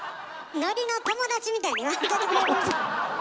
のりの友達みたいに言わんとってくれる？